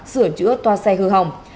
sửa chữa toa xe hư hồng